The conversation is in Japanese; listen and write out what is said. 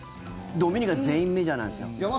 ドミニカ全員メジャーなんですよ。